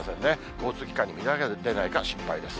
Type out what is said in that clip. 交通機関に乱れが出ないか心配です。